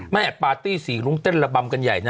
ไม่แทรกปาร์ตี้ซีรุ้งเต้นระบำกันใหญ่